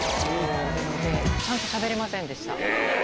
ちゃんとしゃべれませんでした。